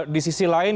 di sisi lain